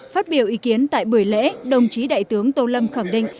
phát biểu ý kiến tại buổi lễ đồng chí đại tướng tô lâm khẳng định